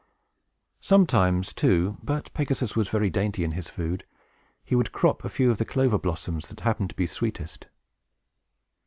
Sometimes, too (but Pegasus was very dainty in his food), he would crop a few of the clover blossoms that happened to be sweetest.